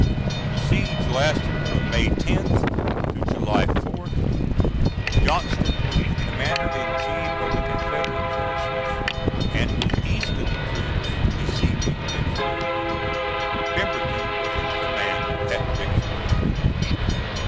The siege lasted from May 10th to July 4th. Johnston was the commander in chief of the Confederate forces and was east of the troops besieging Vicksburg. Pemberton was in command at Vicksburg.